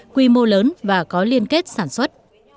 quy mô lớn và có liên kết sản xuất